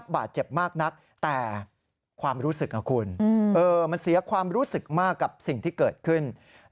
บาดเจ็บมากนักแต่ความรู้สึกนะคุณมันเสียความรู้สึกมากกับสิ่งที่เกิดขึ้น